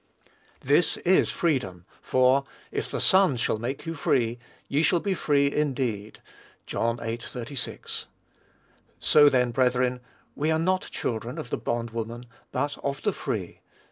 This is freedom; for, "If the Son shall make you free, ye shall be free indeed." (John viii. 36.) "So, then, brethren, we are not children of the bond woman, but of the free."